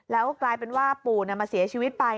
แล้วกลายเป็นว่าปู่มาเสียชีวิตไป